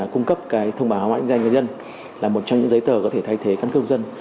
cung cấp cái thông báo hóa định danh người dân là một trong những giấy tờ có thể thay thế căn cứ công dân